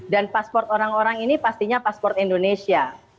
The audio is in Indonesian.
dan paspor orang orang ini pastinya paspor indonesia